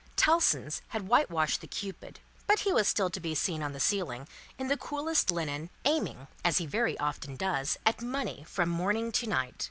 Tellson's had whitewashed the Cupid, but he was still to be seen on the ceiling, in the coolest linen, aiming (as he very often does) at money from morning to night.